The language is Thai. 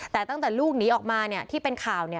แต่ตั้งแต่ลูกหนีออกมาที่เป็นข่าว